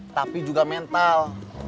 tapi juga mental